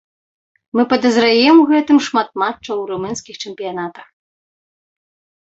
Мы падазраем у гэтым шмат матчаў у румынскіх чэмпіянатах.